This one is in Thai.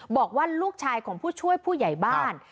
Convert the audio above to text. บอกว่าลูกชายของผู้ช่วยผู้ใหญ่บ้าน